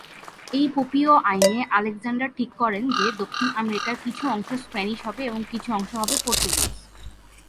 এই পোপীয় আইনে আলেকজান্ডার ঠিক করেন যে দক্ষিণ আমেরিকার কিছু অংশ স্প্যানিশ হবে এবং কিছু অংশ হবে পর্তুগিজ।